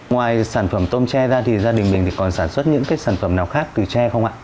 ngoài sản phẩm tôm tre ra thì gia đình mình còn sản xuất những cái sản phẩm nào khác từ tre không ạ